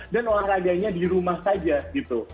dan olahraganya di rumah saja gitu